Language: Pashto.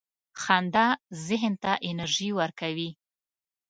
• خندا ذهن ته انرژي ورکوي.